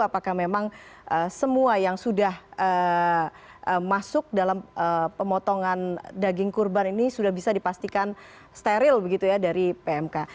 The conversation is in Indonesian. apakah memang semua yang sudah masuk dalam pemotongan daging kurban ini sudah bisa dipastikan steril begitu ya dari pmk